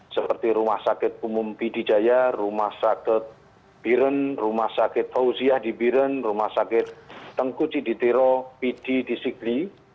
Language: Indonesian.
seperti rumah sakit umum pdi jaya rumah sakit biren rumah sakit fauziah di biren rumah sakit tengku ciditiro pd disigli